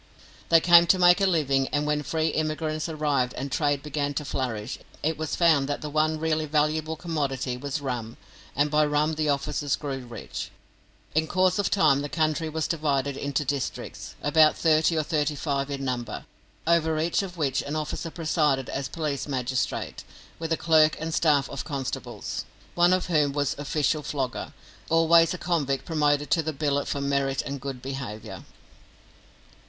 They came to make a living, and when free immigrants arrived and trade began to flourish, it was found that the one really valuable commodity was rum, and by rum the officers grew rich. In course of time the country was divided into districts, about thirty or thirty five in number, over each of which an officer presided as police magistrate, with a clerk and staff of constables, one of whom was official flogger, always a convict promoted to the billet for merit and good behaviour.